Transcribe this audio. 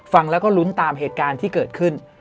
ฟังแล้วก็ลุ้นตามเหตุการณ์ที่เกิดขึ้น